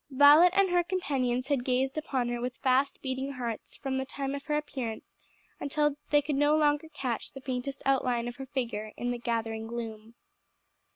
Violet and her companions had gazed upon her with fast beating hearts from the time of her appearance until they could no longer catch the faintest outline of her figure in the gathering gloom.